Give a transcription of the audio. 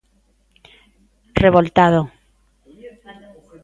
Revoltado.